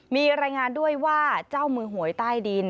มีรายงานด้วยว่าเจ้ามือหวยใต้ดิน